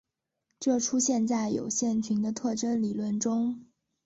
这出现在有限群的特征理论中。